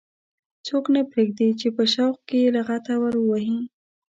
څوک نه پرېږدي چې په شوق کې یې لغته ور ووهي.